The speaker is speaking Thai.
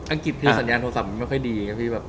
อังกฤษทีสัญญาณโทรศัพท์มันไม่ค่อยดีอีกอะพี่แบบ